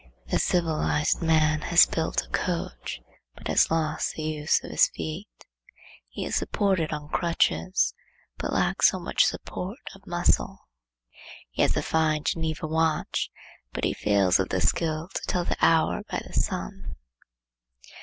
The civilized man has built a coach, but has lost the use of his feet. He is supported on crutches, but lacks so much support of muscle. He has a fine Geneva watch, but he fails of the skill to tell the hour by the sun.